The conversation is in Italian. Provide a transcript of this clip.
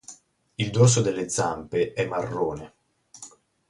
Il dorso delle zampe è marrone.